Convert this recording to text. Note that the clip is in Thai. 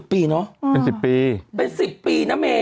เป็น๑๐ปี